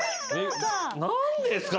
何ですか？